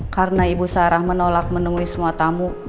karena ibu sarah menolak menemui semua tamu